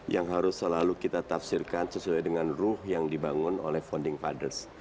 yang harus selalu kita tafsirkan sesuai dengan ruh yang dibangun oleh founding fathers